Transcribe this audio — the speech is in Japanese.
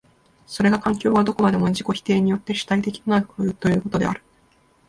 それが環境がどこまでも自己否定によって主体的となるということである。